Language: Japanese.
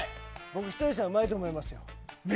僕、ひとりさんはうまいと思いますよ。